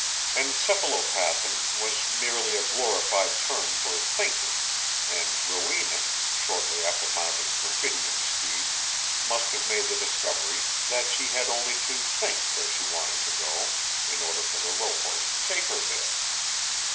"Encephalopathing" was merely a glorified term for "thinking," and Rowena, shortly after mounting Perfidion's steed, must have made the discovery that she had only to think where she wanted to go in order for the rohorse to take her there.